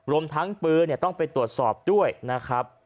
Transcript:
รวมทั้งปืนต้องไปตรวจสอบด้วยนะครับ